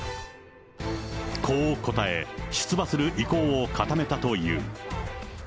こう答え、出馬する意向を固めたという。